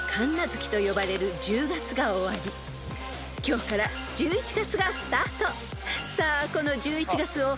［と呼ばれる１０月が終わり今日から１１月がスタート］